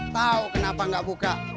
tau kenapa nggak buka